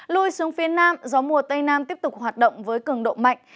lui xuống phía nam gió mùa tây nam tiếp tục hoạt động với cường độ mạnh